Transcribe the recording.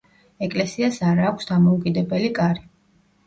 ეკლესიას არა აქვს დამოუკიდებელი კარი.